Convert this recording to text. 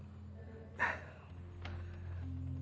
oke kalau gitu ya pak harmaid